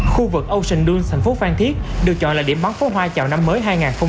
khu vực ocean dunes thành phố phan thiết được chọn là điểm bắn pháo hoa chào năm mới hai nghìn hai mươi bốn